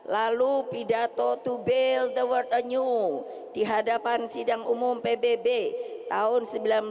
lalu pidato to build the world anew di hadapan sidang umum pbb tahun seribu sembilan ratus enam puluh